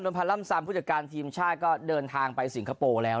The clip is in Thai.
พันธ์ล่ำซำผู้จัดการทีมชาติก็เดินทางไปสิงคโปร์แล้ว